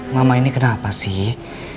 mama ini kenapa sih